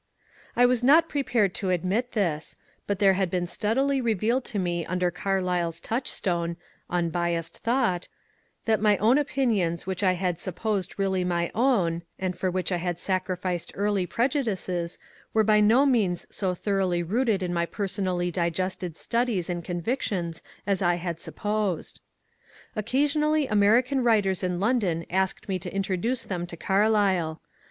I was not prepared to admit this, but there had been steadily revealed to me under Carlyle's touchstone — un biassed thought — that my own opinions which I had sup posed really my own, and for which I had sacrificed early prejudices, were by no means so thoroughly rooted in my per sonally digested studies and convictions as I had supposed. Occasionally American writers in London asked me to introduce them to Carlyle.